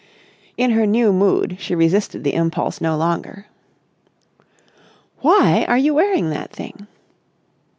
In her new mood she resisted the impulse no longer. "Why are you wearing that thing?"